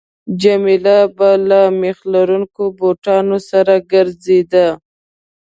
جميله به له میخ لرونکو بوټانو سره ګرځېده.